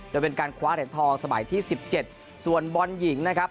โดยเป็นการคว้าเหรียญทองสมัยที่๑๗ส่วนบอลหญิงนะครับ